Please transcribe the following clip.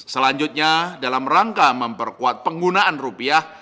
selanjutnya dalam rangka memperkuat penggunaan rupiah